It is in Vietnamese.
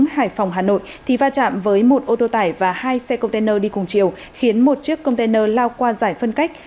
trong đường hải phòng hà nội va chạm với một ô tô tài và hai xe container đi cùng chiều khiến một chiếc container lao qua giải phân cách